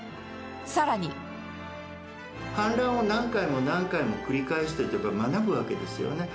更に氾濫を何回も何回も繰り返していれば学ぶわけですよね。